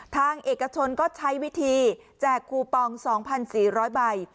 ทางเอกชนก็ใช้วิธีแจกคูปอง๒๔๐๐ใบ